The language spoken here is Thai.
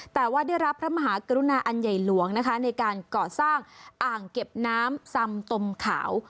แต่ว่าได้รับพระมหากรุณาอันใหญ่หลวงนะคะในการก่อสร้างอ่างเก็บน้ำซำตมขาว